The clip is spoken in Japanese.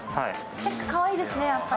チェックかわいいですね、やっぱり。